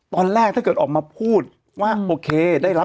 ถ้าเกิดออกมาพูดว่าโอเคได้รับ